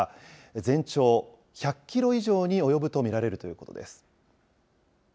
全長１００キロ以上に及ぶと見られるということです。